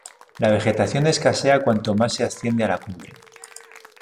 La vegetación escasea cuanto más se asciende a la cumbre.